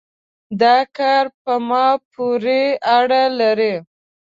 دا کار په ما پورې اړه لري